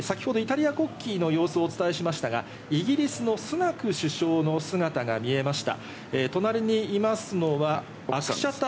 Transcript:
先ほどイタリア国旗の様子をお伝えしましたが、イギリスのスナク首相の姿が見えました。